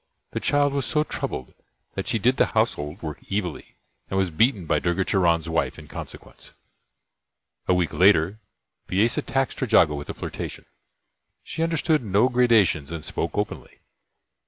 The child was so troubled that she did the household work evilly, and was beaten by Durga Charan's wife in consequence. A week later, Bisesa taxed Trejago with the flirtation. She understood no gradations and spoke openly.